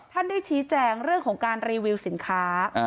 ได้ชี้แจงเรื่องของการรีวิวสินค้า